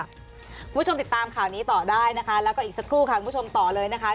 คุณผู้ชมติดตามข่าวนี้ต่อได้นะคะแล้วก็อีกสักครู่ค่ะคุณผู้ชมต่อเลยนะคะ